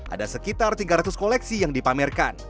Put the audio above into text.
ada sekitar tiga ratus koleksi yang dipamerkan